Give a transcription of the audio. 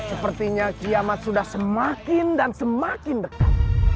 sepertinya kiamat sudah semakin dan semakin dekat